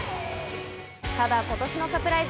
ただ今年のサプライズ